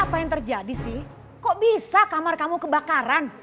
apa yang terjadi sih kok bisa kamar kamu kebakaran